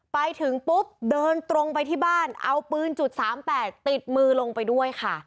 ไปถึงปุ๊บเดินตรงไปที่บ้านเอาปืนจุด๓๘ติดมือลงไปด้วยค่ะ